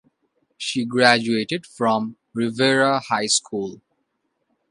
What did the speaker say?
She graduated from Revere High School.